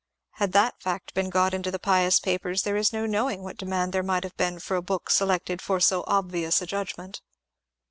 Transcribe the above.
Had that fact been got into the pious papers there is no knowing what demand there might have been for a book selected for so obvious a judgment.